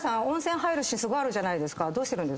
温泉入るシーンすごいあるじゃないですか。